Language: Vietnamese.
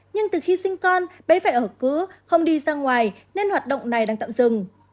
nhưng từ khi sinh con bé phải ở cứ không đi ra ngoài nên hoạt động này đang tạm dừng